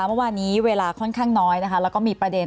เมื่อวานนี้เวลาค่อนข้างน้อยนะคะแล้วก็มีประเด็น